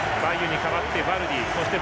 バイユに代わってワルディ。